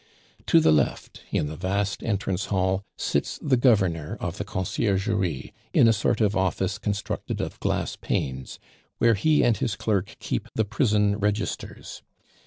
To the left, in the vast entrance hall, sits the Governor of the Conciergerie, in a sort of office constructed of glass panes, where he and his clerk keep the prison registers.